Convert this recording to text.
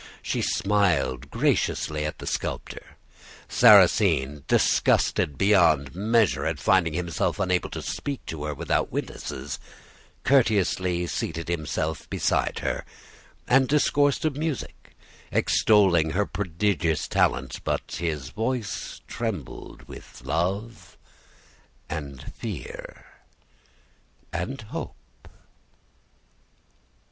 She smiled graciously at the sculptor. Sarrasine, disgusted beyond measure at finding himself unable to speak to her without witnesses, courteously seated himself beside her, and discoursed of music, extolling her prodigious talent; but his voice trembled with love and fear and hope.